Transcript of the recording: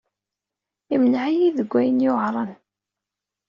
Imneɛ-iyi deg ayen yuɛren.